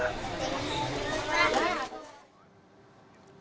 kedua korban menangkap anaknya